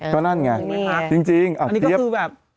ก็นั่นไงอันเนี่ยเปรียบจริงอันนี้ก็คือแบบ